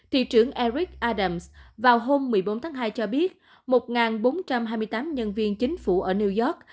thị trưởng eric adams vào hôm một mươi bốn tháng hai cho biết một bốn trăm hai mươi tám nhân viên chính phủ ở new york